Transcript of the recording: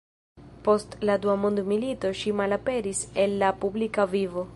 Post la dua mondmilito ŝi malaperis el la publika vivo.